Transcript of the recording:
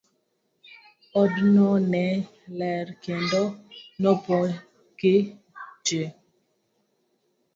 Odno ne ler kendo nopong' gi ji.